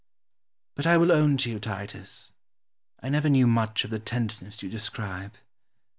But I will own to you, Titus, I never knew much of the tenderness you describe.